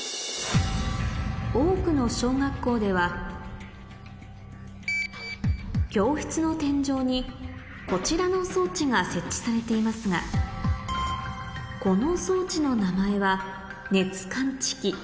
多くの小学校では教室の天井にこちらの装置が設置されていますがやっぱり。とかですよね？